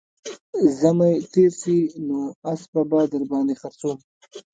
زمى تېر سي نو اسپه به در باندې خرڅوم